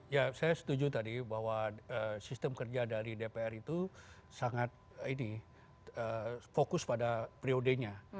ya saya setuju tadi bahwa sistem kerja dari dpr itu sangat fokus pada periodenya